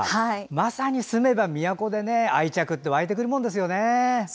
まさに住めば都で愛着って湧いてくるものですよね。